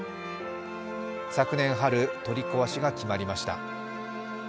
昨年春、取り壊しが決まりました。